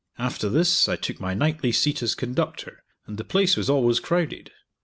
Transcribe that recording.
After this I took my nightly seat as conductor, and the place was always crowded.